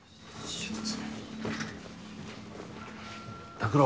拓郎。